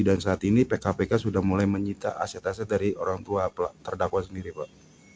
dan saat ini pkpk sudah mulai menyita aset aset dari orang tua terdakwa sendiri pak